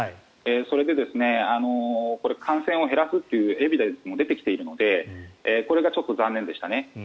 それで、感染を減らすというエビデンスも出てきているのでこれがちょっと残念でしたね。